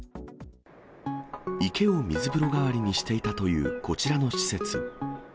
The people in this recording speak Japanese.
池を水風呂代わりにしていたというこちらの施設。